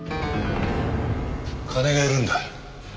金がいるんだ。